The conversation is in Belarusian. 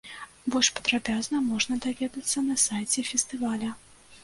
Больш падрабязна можна даведацца на сайце фестываля.